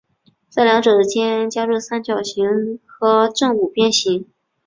在两者间加入三角形和正五边形。